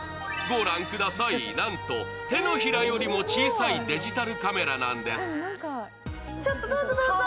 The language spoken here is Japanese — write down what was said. ご覧ください、なんと手のひらより小さいデジタルカメラなんです。